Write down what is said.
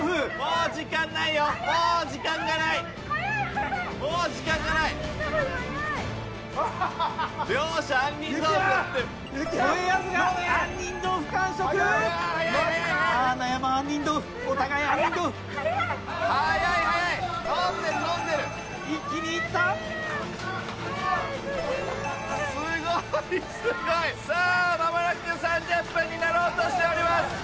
さぁまもなく３０分になろうとしております。